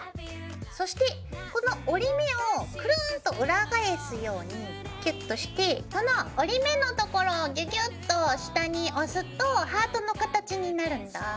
そしてこの折り目をくるんと裏返すようにキュッとしてこの折り目のところをギュギュッと下に押すとハートの形になるんだぁ。